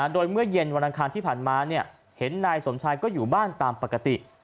โดยเมื่อเย็นวันอังคารที่ผ่านมาเห็นนายสมชายก็อยู่บ้านตามปกติ